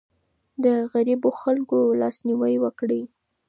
د غريبو خلګو لاسنيوی وکړئ.